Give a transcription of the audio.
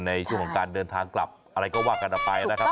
ในช่วงของการเดินทางกลับอะไรก็ว่ากันออกไปนะครับ